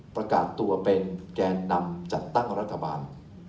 ประกาศตัวเป็นแกนนำจัดตั้งรัฐบาล